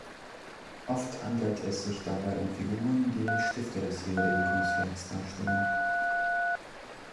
Oft handelt es sich dabei um Figuren, die den Stifter des jeweiligen Kunstwerks darstellen.